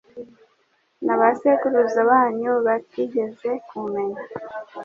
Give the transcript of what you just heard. na ba sekuruza banyu batigeze kumenya,